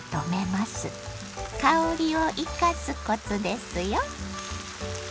香りを生かすコツですよ。